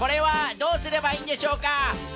どうすればいいんでしょうか？